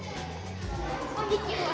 こんにちは！